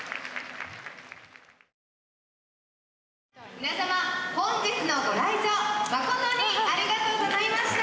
皆様本日のご来場まことにありがとうございました。